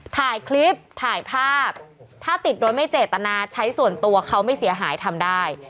ถ่ายคลิปถ่ายภาพถ้าติดโดยไม่เจตนาใช้ส่วนตัวเขาไม่เสียหายทำได้